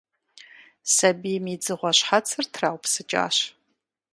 Сабийм и «дзыгъуэ» щхьэцыр траупсыкӀащ.